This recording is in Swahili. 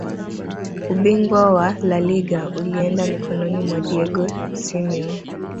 ubingwa wa laliga ulienda mikononi mwa diego simeone